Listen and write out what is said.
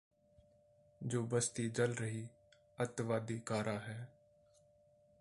ਜੋ ਬਸਤੀ ਜਲ ਰਹੀ ਅੱਤਵਾਦੀ ਕਾਰਾ ਹੈ